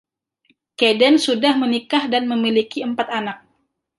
Cadden sudah menikah dan memiliki empat anak.